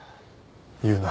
言うな。